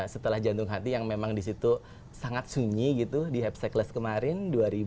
setelah jantung hati yang memang disitu sangat sunyi gitu di happ cycless kemarin